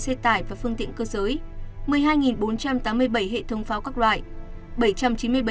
một mươi sáu tám trăm bảy mươi tám xe tải và phương tiện cơ giới một mươi hai bốn trăm tám mươi bảy hệ thống pháo các loại